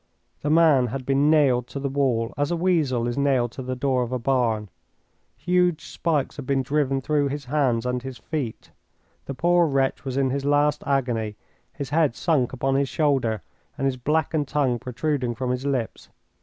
The man had been nailed to the wall as a weasel is nailed to the door of a barn. Huge spikes had been driven through his hands and his feet. The poor wretch was in his last agony, his head sunk upon his shoulder and his blackened tongue protruding from his lips.